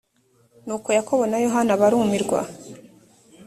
nuko yakobo na yohana barumirwa